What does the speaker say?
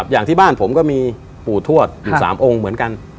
อย่างที่บ้านผมก็มีปู่ทวดอยู่๓องค์เหมือนกัน